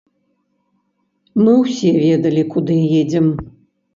Мы ўсе ведалі, куды едзем.